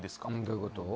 どういうこと？